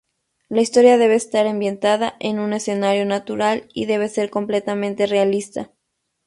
La historia debe estar ambientada en un escenario natural y debe ser completamente realista.